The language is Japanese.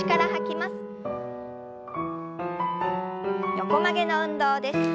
横曲げの運動です。